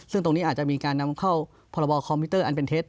ซึ่งตรงนี้อาจจะมีการนำเข้าพรบคอมพิวเตอร์อันเป็นเท็จ